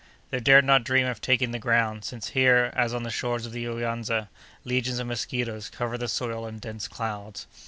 They dared not dream of taking the ground, since here, as on the shores of the Uyanza, legions of mosquitoes covered the soil in dense clouds.